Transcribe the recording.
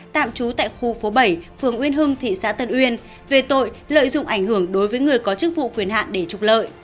tạm trú tại khu phố bảy phường uyên hưng thị xã tân uyên về tội lợi dụng ảnh hưởng đối với người có chức vụ quyền hạn để trục lợi